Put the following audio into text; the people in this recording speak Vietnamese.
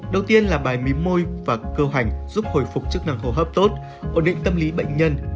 đầu tiên là bài mí môi và cơ hành giúp hồi phục chức năng hô hấp tốt ổn định tâm lý bệnh nhân